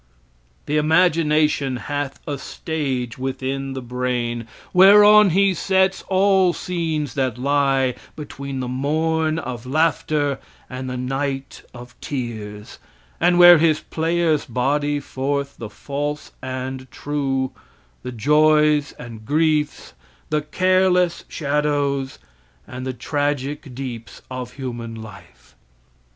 The imagination hath a stage within the brain, whereon he sets all scenes that lie between the morn of laughter and the night of tears, and where his players body forth the false and true, the joys and griefs, the careless shadows, and the tragic deeps of human life.